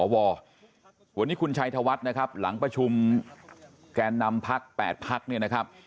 วันนี้คุณชัยธวัฒน์นะครับหลังประชุมแกนนำพัก๘พักเนี่ยนะครับ